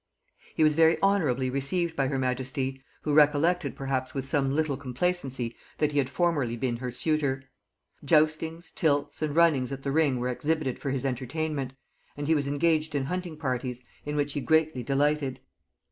He was very honorably received by her majesty, who recollected perhaps with some little complacency that he had formerly been her suitor. Justings, tilts, and runnings at the ring were exhibited for his entertainment, and he was engaged in hunting parties, in which he greatly delighted.